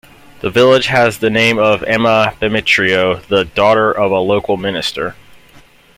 The village has the name of Emma Bemetrio, the daughter of a local minister.